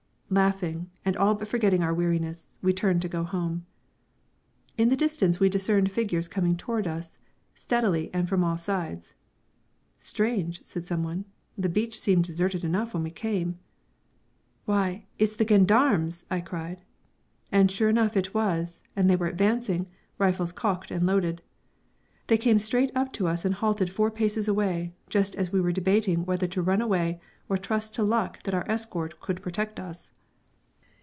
Laughing and all but forgetting our weariness, we turned to go home. In the distance we discerned figures coming towards us steadily and from all sides. "Strange!" said someone. "The beach seemed deserted enough when we came." "Why, it's gendarmes!" I cried. And sure enough it was, and they were advancing, rifles cocked and loaded. They came straight up to us and halted four paces away, just as we were debating whether to run away or trust to luck that our escort could protect us.